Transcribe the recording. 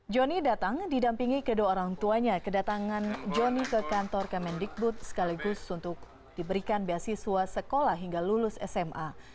joni datang didampingi kedua orang tuanya kedatangan johnny ke kantor kemendikbud sekaligus untuk diberikan beasiswa sekolah hingga lulus sma